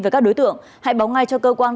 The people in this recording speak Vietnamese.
về các đối tượng hãy báo ngay cho cơ quan